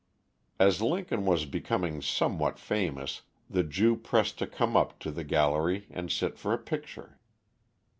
As Lincoln was becoming somewhat famous, the Jew pressed to come up to the gallery and sit for a picture.